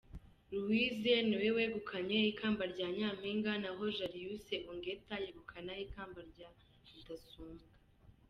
Luwize niwe wegukanye ikamba rya Nyampinga naho Jariyusi Ongeta yegukana ikamba rya Rudasumbwa.